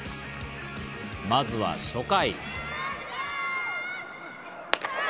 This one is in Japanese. まずは初回。